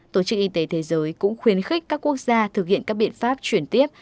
tổ chức y tế thế giới cũng khuyến khích các quốc gia thực hiện các biện pháp chuyển tiếp